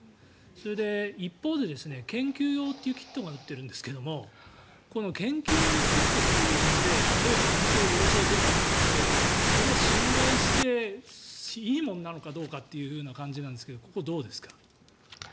それで、一方で研究用というキットが売っているんですけどこの研究用のキットというもので例えば陰性、陽性って出たとして信頼していいものなのかどうかという感じなんですがここはどうですか？